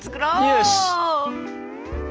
よし！